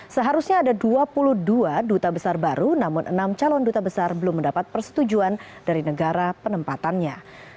seharusnya ada dua puluh dua duta besar baru namun enam calon duta besar belum mendapat persetujuan dari negara penempatannya